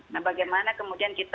nah bagaimana kemudian kita